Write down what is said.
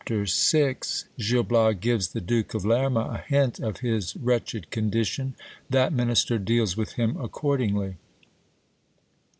— Gil Bias gives the Duke of Lerma a hint of his wretched condition. That minister deals with him accordingly.